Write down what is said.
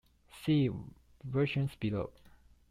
See "Versions" below.